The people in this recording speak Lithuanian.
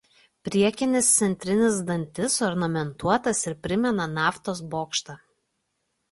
Priekinis centrinis dantis ornamentuotas ir primena naftos bokštą.